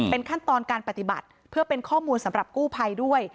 เป็นขั้นตอนการปฏิบัติเพื่อเป็นข้อมูลสำหรับกู้ภัยด้วย